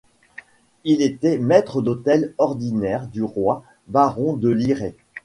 Il était maître d'hôtel ordinaire du roi, baron de Lirey.